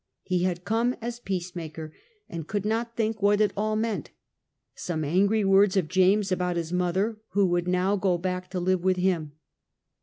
He had come as peace maker, and could not think what it all meant; some angry words of James about his mother, who would now go back to live with him.